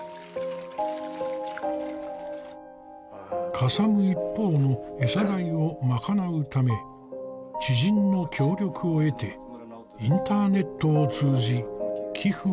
かさむ一方の餌代を賄うため知人の協力を得てインターネットを通じ寄付を呼びかけた。